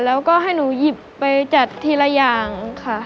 แล้วก็ให้หนูหยิบไปจัดทีละอย่างค่ะ